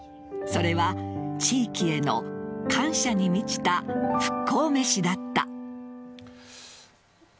それは地域への感謝に満ちた復興めしだった。